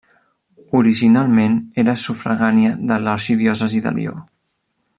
Originalment era sufragània de l'arxidiòcesi de Lió.